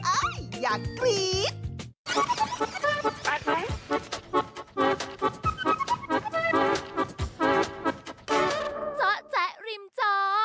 อ้าวอยากกรี๊ด